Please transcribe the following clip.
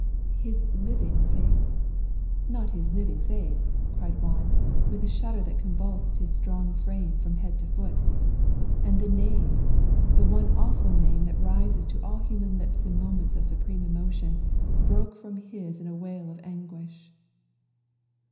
"His LIVING face? Not his living face?" cried Juan, with a shudder that convulsed his strong frame from head to foot And the Name the one awful Name that rises to all human lips in moments of supreme emotion broke from his in a wail of anguish.